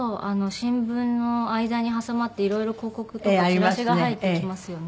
新聞の間に挟まっていろいろ広告とかチラシが入ってきますよね。